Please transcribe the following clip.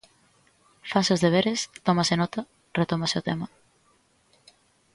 Fanse os deberes, tómase nota, retómase o tema.